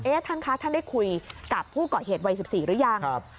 ท่านคะท่านได้คุยกับผู้เกาะเหตุวัย๑๔หรือยัง